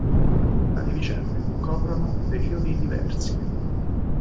Tali vicende coprono periodi diversi.